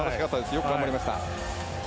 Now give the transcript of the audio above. よく頑張りました。